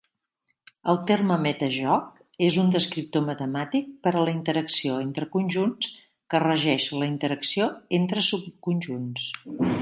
El terme "metajoc" és un descriptor matemàtic per a la interacció entre conjunts que regeix la interacció entre subconjunts.